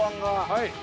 ◆はい。